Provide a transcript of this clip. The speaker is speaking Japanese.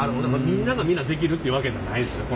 みんながみんなできるってわけではないですよね。